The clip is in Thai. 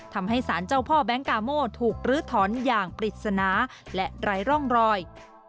ทำให้สารเจ้าพ่อแบงค์กาโมถูกลื้อถอนอย่างปริศนาและไร้ร่องรอย